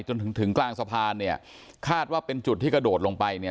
จนถึงกลางสะพานเนี่ยคาดว่าเป็นจุดที่กระโดดลงไปเนี่ย